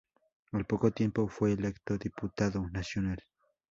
Al poco tiempo fue electo diputado nacional.